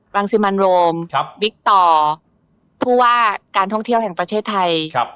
รังสิมันโรมบิ๊กต่อผู้ว่าการท่องเที่ยวแห่งประเทศไทย